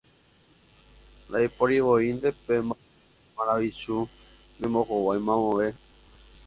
Ndaiporivoínte pe maravichu ñembohovái mamove.